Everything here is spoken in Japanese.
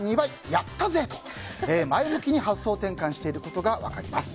やったぜ！と前向きに発想転換していることが分かります。